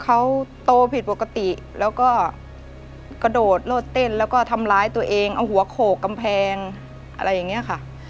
เขาโตผิดปกติแล้วก็กระโดดโลดเต้นแล้วก็ทำร้ายตัวเองเอาหัวโขกกำแพงอะไรอย่างนี้ค่ะ